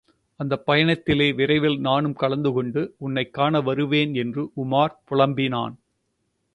அந்தப் பயணத்திலே விரைவில் நானும் கலந்து கொண்டு உன்னைக் காண வருவேன் என்று உமார் புலம்பினான்.